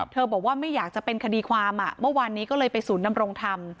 บอกว่าไม่อยากจะเป็นคดีความเมื่อวานนี้ก็เลยไปศูนย์ดำรงธรรม